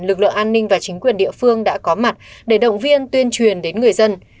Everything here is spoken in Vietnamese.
lực lượng an ninh và chính quyền địa phương đã có mặt để động viên tuyên truyền đến người dân